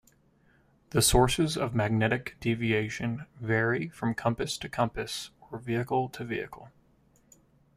The sources of magnetic deviation vary from compass to compass or vehicle to vehicle.